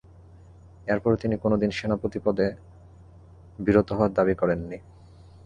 এরপরও তিনি কোনদিন সেনাপতি পদে বরিত হওয়ার দাবি করেননি।